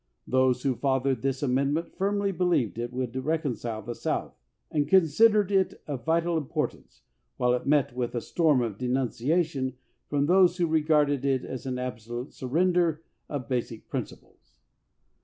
Those who fathered this amendment firmly be lieved it would reconcile the South, and con sidered it of vital importance, while it met with a storm of denunciation from those who regarded it as an absolute surrender of basic principles.